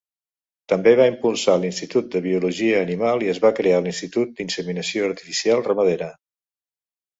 També va impulsar l'Institut de Biologia Animal i es va crear l'Institut d'Inseminació Artificial Ramadera.